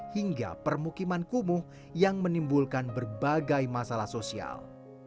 hingga permukiman kumuh yang menimbulkan berbagai masalah sosial